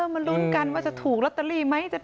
มาลุ้นกันว่าจะถูกลอตเตอรี่ไหม